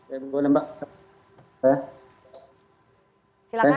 ya boleh mbak